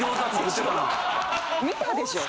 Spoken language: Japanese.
見たでしょ？